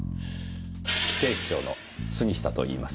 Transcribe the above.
警視庁の杉下と言います。